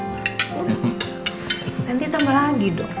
nanti tambah lagi dong